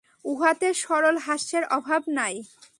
উহাতে সরল হাস্যের অভাব নাই।